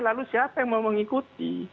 lalu siapa yang mau mengikuti